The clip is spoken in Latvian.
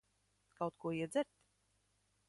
Kaut ko iedzert?